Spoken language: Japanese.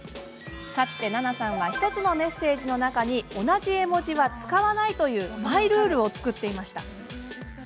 かつて奈々さんは１つのメッセージの中で同じ絵文字は使わないというマイルールを作っていました。